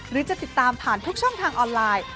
หรือจะติดตามผ่านทุกช่องทางออนไลน์